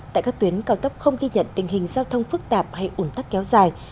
tại các tuyến cao tốc không ghi nhận tình hình giao thông phức tạp hay ủn tắc kéo dài